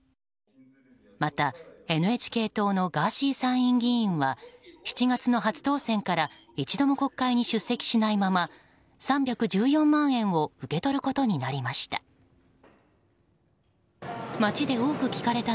また、ＮＨＫ党のガーシー参院議員は７月の初当選から一度も国会に出席しないまま３１４万円を受け取ることになりました。